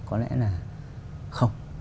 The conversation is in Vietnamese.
có lẽ là không